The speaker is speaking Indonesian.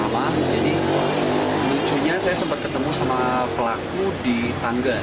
lucunya saya sempat ketemu sama pelaku di tangga